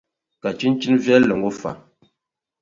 Ka chinchini viɛlli ŋɔ fa?